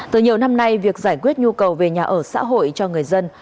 từ nhiều năm nay việc giải quyết nhu cầu về nhà ở xã hội cho người dân